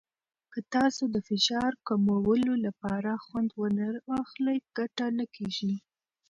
که تاسو د فشار کمولو لپاره خوند ونه واخلئ، ګټه نه کېږي.